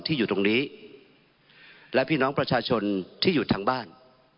ที่อยู่ตรงนี้และพี่น้องประชาชนที่อยู่ทางบ้าน